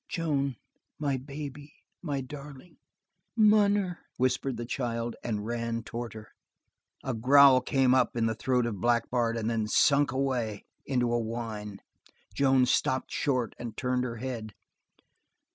"Joan, my baby, my darling!" "Munner!" whispered the child and ran towards her. A growl came up in the throat of Black Bart and then sank away into a whine; Joan stopped short, and turned her head.